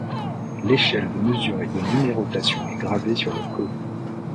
L'échelle de mesure et de numérotation est gravée sur le cône.